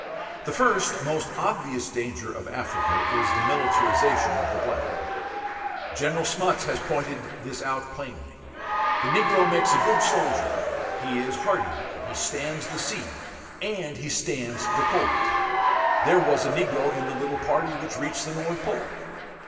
The first most obvious danger of Africa is the militarization of the black. General Smuts has pointed this out plainly. The negro makes a good soldier; he is hardy, he stands the sea, and he stands cold. (There was a negro in the little party which reached the North Pole.)